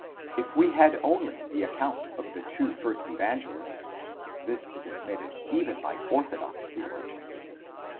If we had only the account of the two first Evangelists,—this is admitted even by orthodox theologians